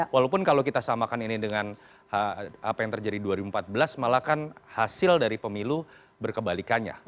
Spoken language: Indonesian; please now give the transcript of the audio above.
walaupun kalau kita samakan ini dengan apa yang terjadi dua ribu empat belas malah kan hasil dari pemilu berkebalikannya